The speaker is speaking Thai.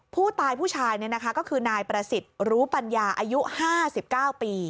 ผู้ตายผู้ชายนี่นะคะก็คือนายประสิทธิ์รู้ปัญญาอายุห้าสิบเก้าปี